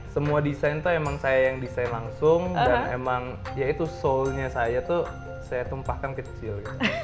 semua desain tuh emang saya yang desain langsung dan emang ya itu soulnya saya tuh saya tumpahkan kecil